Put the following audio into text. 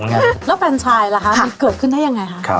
แล้วแฟนค์ชายย์ละคะเพื่อเกิดขึ้นได้ยังไง